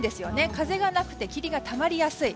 風がなくて霧がたまりやすい。